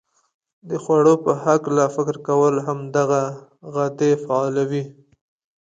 د خوړو په هلکه فکر کول هم دغه غدې فعالوي.